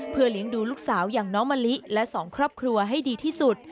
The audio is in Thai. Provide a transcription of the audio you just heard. เพื่อเลี้ยงดูลูกสาวอย่างน้องมะลิและสองครอบครัวให้ดีที่สุด